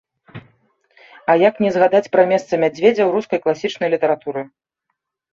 А як не згадаць пра месца мядзведзя ў рускай класічнай літаратуры.